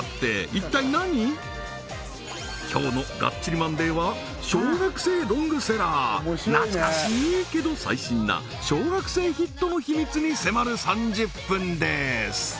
今日のがっちりマンデー！！は懐かしいけど最新な小学生ヒットの秘密に迫る３０分です